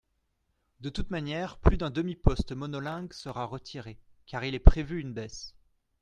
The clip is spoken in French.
De toutes manières plus d’un demi poste monolingue sera retiré car il est prévu une baisse.